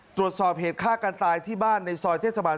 ตรวจสอบเหตุฆ่ากันตายที่บ้านในซอยเทศบาล